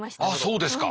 そうですか。